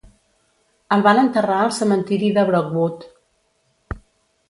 El van enterrar al cementiri de Brookwood.